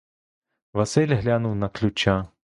Василь глянув на ключа.